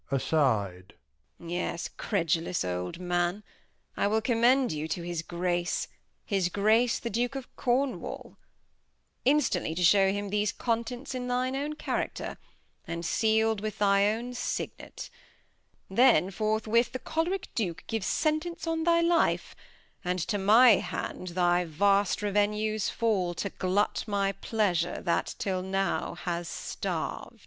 Bast. Yes, credulous old Man, [Aside. I wiU commend you to his Grace, His Grace the Duke of Cornwal instantly To shew him these Contents in thy own Character, And seal'd with thy own Signet ; then forthwith The Chol'rick Duke gives Sentence on thy Life ; And to my Hand thy vast Revenues, To glut my Pleasure that 'till now has starv'd.